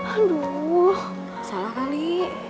aduh salah kali